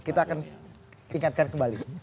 kita akan ingatkan kembali